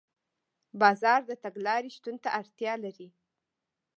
بازار د تګلارې شتون ته اړتیا لري.